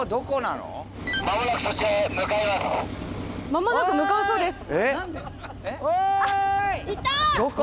間もなく向かうそうです。